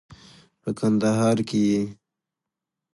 په کندهار کې یې